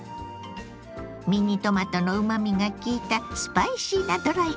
ミニトマトのうまみが効いたスパイシーなドライカレー。